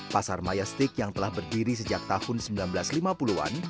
pasar mayastik yang telah berdiri sejak tahun seribu sembilan ratus lima puluh an